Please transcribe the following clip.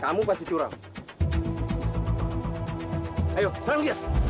kamu pasti curang